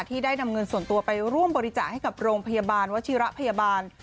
ได้นำเงินส่วนตัวไปร่วมบริจาคให้กับโรงพยาบาลวชิระพยาบาล